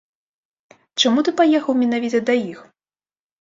Чаму ты паехаў менавіта да іх?